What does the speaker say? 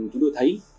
chúng tôi thấy